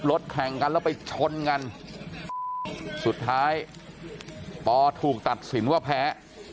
แข่งกันแล้วไปชนกันสุดท้ายปอถูกตัดสินว่าแพ้